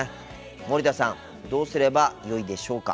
森田さんどうすればよいでしょうか。